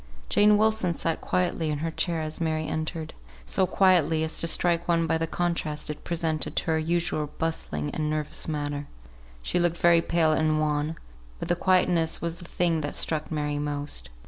Jane Wilson sat quietly in her chair as Mary entered; so quietly, as to strike one by the contrast it presented to her usual bustling and nervous manner. She looked very pale and wan; but the quietness was the thing that struck Mary most.